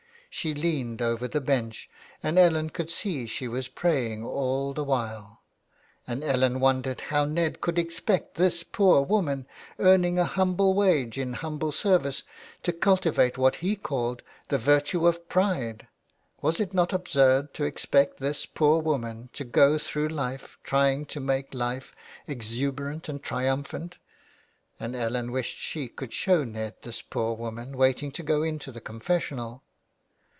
She leaned over the bench, and Ellen could see she was praying all the while, 360 THE WILD GOOSE. and Ellen wondered how Ned could expect this poor woman, earning a humble wage in humble service, to cultivate what he called " the virtue of pride/' Was it not absurd to expect this poor woman to go through life trying to make life "exuberant and triumphant?" And Ellen wished she could show Ned this poor woman waiting to go into the confessional.